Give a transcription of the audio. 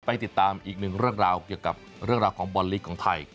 ติดตามอีกหนึ่งเรื่องราวเกี่ยวกับเรื่องราวของบอลลีกของไทย